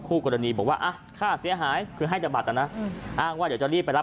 คู่กรณีบอกว่าค่าเสียหายคือให้แต่บัตรนะอ้างว่าเดี๋ยวจะรีบไปรับ